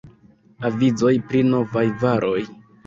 Avizoj pri Novaj Varoj.